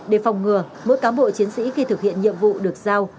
để phòng ngừa mỗi cán bộ chiến sĩ khi thực hiện nhiệm vụ được giao